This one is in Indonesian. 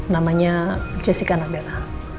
namanya jessica nabela